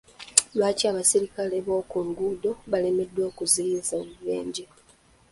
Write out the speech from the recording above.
Lwaki abaserikale b'oku nguudo balemeddwa okuziyiza obubenje?